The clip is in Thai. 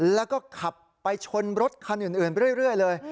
แล้วก็ขับไปชนรถคันอื่นไปเรื่อยเลย